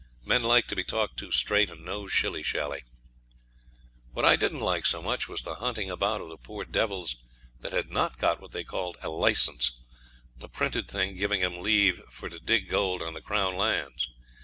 Men liked to be talked to straight, and no shilly shally. What I didn't like so much was the hunting about of the poor devils that had not got what they called a licence a printed thing giving 'em leave for to dig gold on the Crown lands.